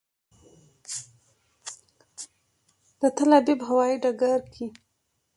د تل ابیب هوایي ډګر کې.